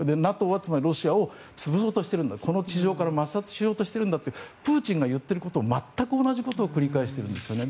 ＮＡＴＯはウクライナを潰そうとしてるんだ抹殺しようとしているんだってプーチンが言っていることと全く同じことを繰り返しているんですね。